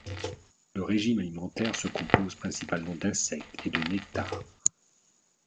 Le régime alimentaire se compose principalement d'insectes et de nectar.